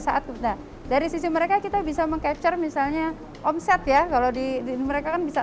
saat nah dari sisi mereka kita bisa meng capture misalnya omset ya kalau di mereka kan bisa